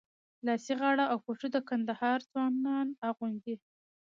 لاسي غاړه او پټو د کندهار ځوانان اغوندي.